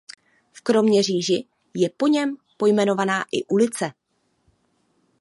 V Kroměříži je po něm pojmenovaná i ulice.